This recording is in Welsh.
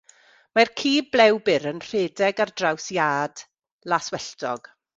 Mae'r ci blew byr yn rhedeg ar draws iard laswelltog.